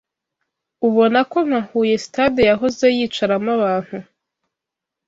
ubona ko nka Huye Stade yahoze yicaramo abantu